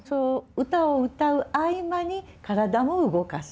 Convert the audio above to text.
歌を歌う合間に体も動かす。